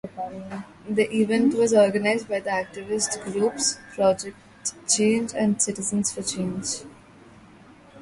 The event was organized by the activist groups Project Change and Citizens for Change.